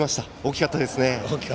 大きかったですね。